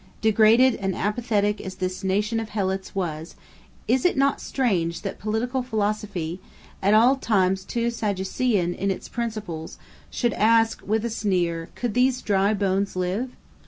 Degraded and apathetic as this nation of Helots was, it is not strange that political philosophy, at all times too Sadducean in its principles, should ask, with a sneer, "Could these dry bones live?"